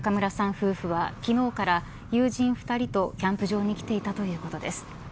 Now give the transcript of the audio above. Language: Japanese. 夫婦は昨日から友人２人とキャンプ場に来ていたということです。